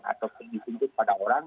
atau penyusup pada orang